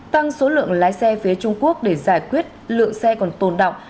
tăng số lượng lái xe phía trung quốc để giải quyết lượng xe còn tồn động